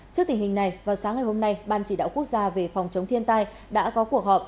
trước tình hình này vào sáng ngày hôm nay ban chỉ đạo quốc gia về phòng chống thiên tai đã có cuộc họp